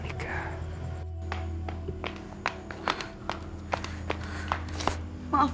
tidak ada apa apa